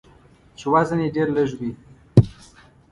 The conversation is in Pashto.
چې وزن یې ډیر لږوي.